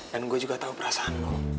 dan gue juga tau perasaan lo